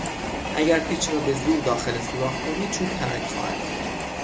اگر پیچ را به زور داخل سوراخ کنی چوب ترک خواهد خورد.